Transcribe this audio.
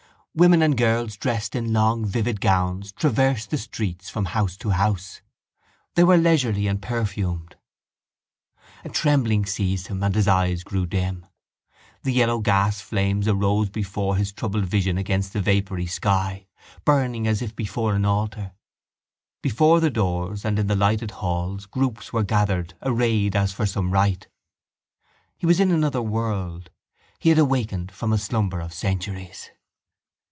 Women and girls dressed in long vivid gowns traversed the street from house to house. They were leisurely and perfumed. A trembling seized him and his eyes grew dim. The yellow gasflames arose before his troubled vision against the vapoury sky, burning as if before an altar. Before the doors and in the lighted halls groups were gathered arrayed as for some rite. He was in another world: he had awakened from a slumber of centuries.